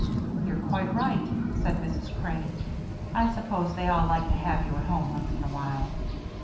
"They're quite right," said Mrs. Crane. "I suppose they like to have you at home once in a while."